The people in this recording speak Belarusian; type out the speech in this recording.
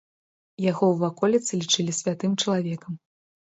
Яго ў ваколіцы лічылі святым чалавекам.